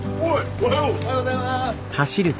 おはよう！おはようございます！